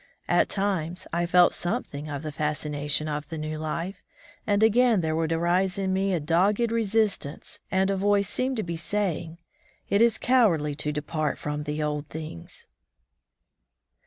At times I felt something of the fascina tion of the new life, and again there would 46 On the While Man's Trail arise in me a dogged resistance, and a voice seemed to be saying, "It is cowardly to depart from the old things